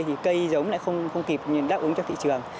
thì cây giống lại không kịp đáp ứng cho thị trường